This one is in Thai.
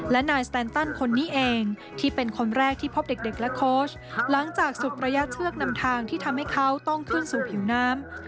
และนายสแตนตันคนนี้เองที่เป็นคนแรกที่พบเด็กและโค้ชหลังจากสุดระยะเชือกนำทางที่ทำให้เขาต้องขึ้นสู่ผิวน้ำ